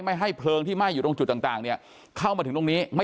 ให้เพลิงที่ไหม้อยู่ตรงจุดต่างเนี่ยเข้ามาถึงตรงนี้